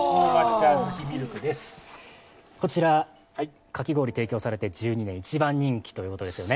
こちらかき氷提供されて１２年、一番人気とということですよね。